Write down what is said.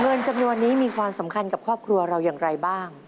เงินจำนวนนี้มีความสำคัญกับครอบครัวเราอย่างไรบ้าง